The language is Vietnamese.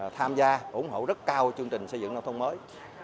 tham gia ủng hộ rất cao chương trình xây dựng nông thôn mới